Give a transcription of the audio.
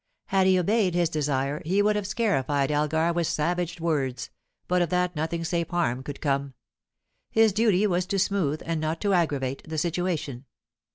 Had he obeyed his desire, he would have scarified Elgar with savage words; but of that nothing save harm could come. His duty was to smooth, and not to aggravate, the situation.